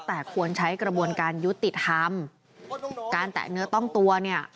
แต่ควรใช้กระบวนการยุติธรรมการแตะเนื้อต้องตัวเนี่ย